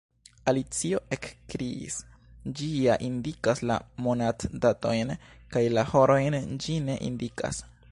Alicio ekkriis, "ĝi ja indikas la monatdatojn, kaj la horojn ĝi ne indikas."